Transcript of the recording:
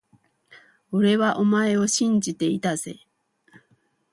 俺はお前を信じていたぜ…